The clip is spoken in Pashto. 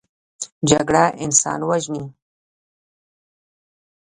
جګړه انسان وژني